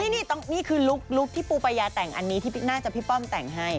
นี่คือลุคที่ปูปายาแต่งอันนี้ที่น่าจะพี่ป้อมแต่งให้